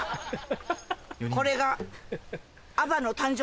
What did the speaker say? これが。